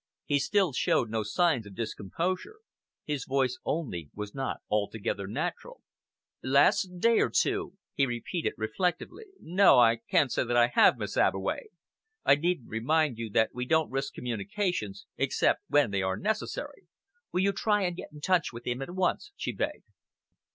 He still showed no signs of discomposure his voice only was not altogether natural. "Last day or two?" he repeated reflectively. "No, I can't say that I have, Miss Abbeway. I needn't remind you that we don't risk communications except when they are necessary." "Will you try and get into touch with him at once?" she begged.